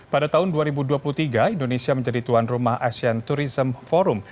pada tahun dua ribu dua puluh tiga indonesia menjadi tuan rumah asean tourism forum